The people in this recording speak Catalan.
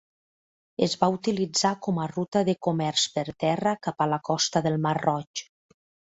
Es va utilitzar com a ruta de comerç per terra cap a la costa del mar Roig.